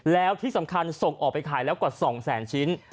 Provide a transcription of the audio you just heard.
แล้วที่สำคัญส่งออกไปขายแล้วกว่า๒แสนชิ้น